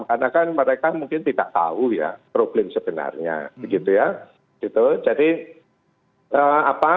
karena mereka mungkin tidak tahu problem sebenarnya